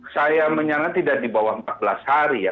saya menyangat tidak di bawah empat belas hari ya